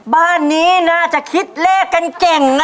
บ้านนี้น่าจะคิดเลขกันเก่งนะ